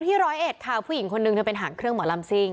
ร้อยเอ็ดค่ะผู้หญิงคนนึงเธอเป็นหางเครื่องหมอลำซิ่ง